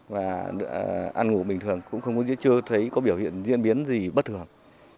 và ăn ngủ bình thường cũng không thấy có biểu hiện diễn biến gì bất thường